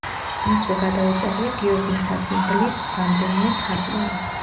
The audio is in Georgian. მასვე გადაუწერია გიორგი მთაწმიდლის რამდენიმე თარგმანი.